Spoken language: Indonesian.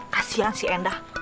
kasihan si endah